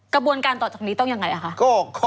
กระบวนการต่อจากนี้ต้องยังไงคะ